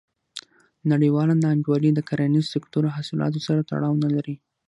نړیواله نا انډولي د کرنیز سکتور حاصلاتو سره تړاو نه لري.